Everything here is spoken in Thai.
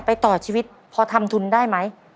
ต่อชีวิตพอทำทุนได้ไหม